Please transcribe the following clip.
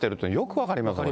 分かりますね。